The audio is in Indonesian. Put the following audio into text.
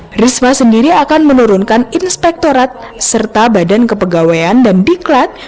trisma sendiri akan menurunkan inspektorat serta badan kepegawaian dan diklat